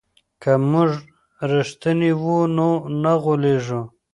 که موږ رښتیني وو نو نه غولېږو.